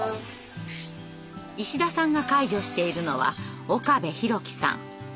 石田さんが介助しているのは岡部宏生さん。